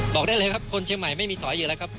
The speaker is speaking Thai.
บอกได้เลยครับคนเชียงใหม่ไม่มีถอยอยู่แล้วครับ